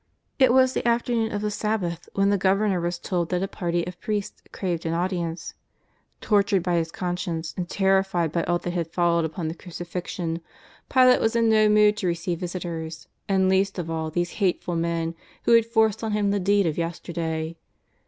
It was the afternoon of the Sabbath when the Gov ernor was told that a party of priests craved an au dience. Tortured by his conscience, and terrified by all that had followed upon the Crucifixion, Pilate was in no mood to receive visitors, and least of all these hateful men who had forced on him the deed of yester day.